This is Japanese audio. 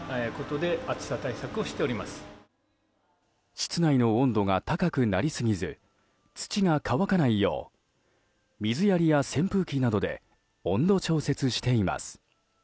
室内の温度が高くなりすぎず土が乾かないよう水やりや扇風機などで温度調節しています。